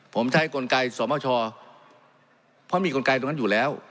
ผมใช้กลไกสมชเพราะมีกลไกตรงนั้นอยู่แล้ว